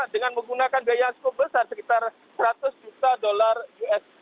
dengan menggunakan biaya yang cukup besar sekitar seratus juta dolar usd